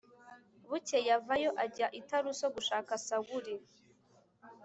Bukeye avayo ajya i taruso gushaka sawuli